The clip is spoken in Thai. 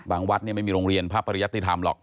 วัดไม่มีโรงเรียนพระปริยติธรรมหรอก